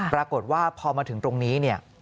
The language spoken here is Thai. ปรากฏว่าพอมาถึงตรงนี้เนี่ย